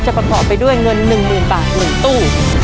ประกอบไปด้วยเงิน๑๐๐๐บาท๑ตู้